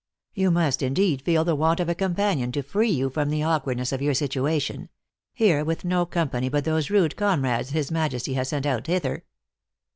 " You must indeed feel the want of a companion to free you from the awkwardness of your situation ; here with no company but those rude comrades his majesty has sent out hither."